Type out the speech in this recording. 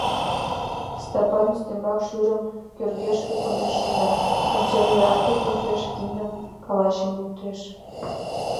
Стапан ӱстембак шӱрым кӧршӧкге конден шында, консерве атым почеш, киндым, калачым луктеш.